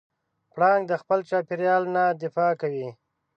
پړانګ د خپل چاپېریال نه دفاع کوي.